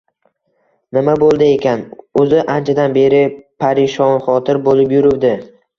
Nima bo‘ldi ekan? O‘zi anchadan beri parishonxotir bo‘lib yuruvdi